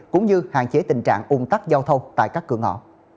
cũng như hạn chế tình trạng ung tắc giao thông tại các cửa ngõ